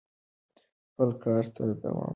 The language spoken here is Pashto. خپل کار ته دوام ورکړو.